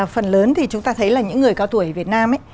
phần lớn thì chúng ta thấy là những người cao tuổi việt nam